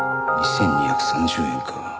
２２３０円か。